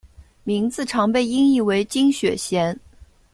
名字常被音译为金雪贤。